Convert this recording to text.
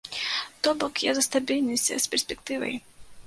То бок, я за стабільнасць з перспектывай!